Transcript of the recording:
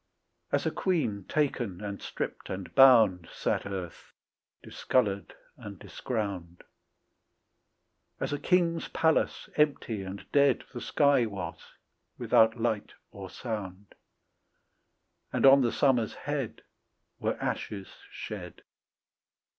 As a queen taken and stripped and bound Sat earth, discoloured and discrowned; As a king's palace empty and dead The sky was, without light or sound; And on the summer's head Were ashes shed.